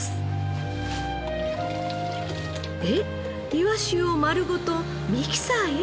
えっいわしを丸ごとミキサーへ？